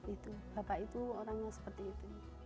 itu bapak itu orangnya seperti itu